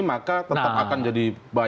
maka tetap akan jadi banyak begitu